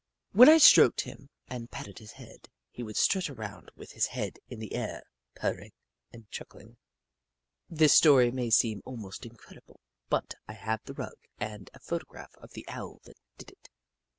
When I stroked him and patted his head, he would strut around with his head in the air, purring and clucking. This story may seem almost incredible, but I have the rug and a photograph of the Owl that did it.